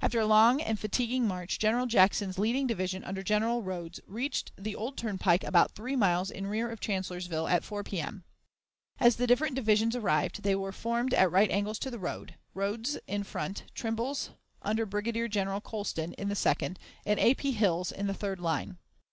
After a long and fatiguing march General Jackson's leading division under General Rodes reached the old turnpike about three miles in rear of Chancellorsville at 4 P.M. As the different divisions arrived, they were formed at right angles to the road Rodes's in front, Trimble's, under Brigadier General Colston, in the second, and A. P, Hill's in the third line.